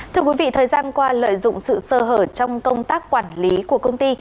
thưa quý vị thời gian qua lợi dụng sự sơ hở trong công tác quản lý của công ty